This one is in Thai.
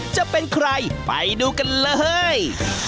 จะเป็นใครไปดูกันเลย